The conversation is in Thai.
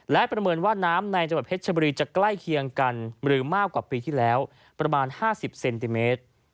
และประเมินว่าน้ำในจังหวัดเพชรชบุรีจะใกล้เคียงกันหรือมากกว่าปีที่แล้วประมาณ๕๐เซนติเมตร